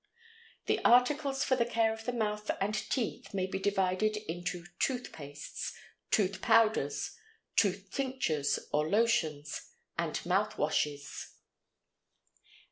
The articles for the care of the mouth and teeth may be divided into tooth pastes, tooth powders, tooth tinctures or lotions, and mouth washes.